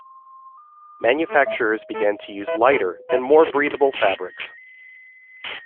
Manufacturers began to use lighter and more breathable fabrics.